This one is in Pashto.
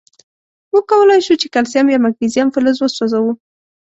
مونږ کولای شو چې کلسیم یا مګنیزیم فلز وسوځوو.